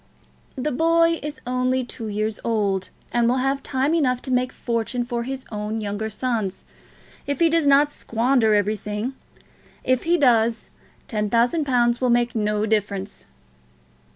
"The boy is only two years old, and will have time enough to make fortunes for his own younger sons, if he does not squander everything. If he does, the ten thousand pounds will make no difference."